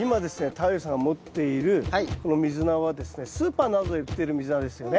太陽さんが持っているこのミズナはですねスーパーなどで売ってるミズナですよね。